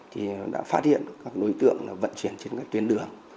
thì đã phát hiện các đối tượng vận chuyển trên các tuyến đường